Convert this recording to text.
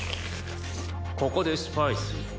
ここでスパイス。